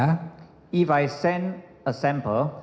kalau saya mengirimkan sampel